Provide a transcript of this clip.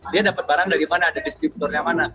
dia dapat barang dari mana ada distributornya mana